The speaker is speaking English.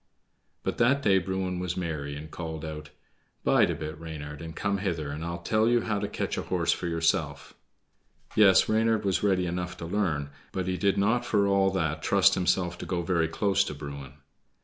But that day Bruin was merry, and called out: "Bide a bit, Reynard, and come hither, and I'll tell you how to catch a horse for yourself." Yes, Reynard was ready enough to learn, but he did not for all that trust himself to go very close to Bruin.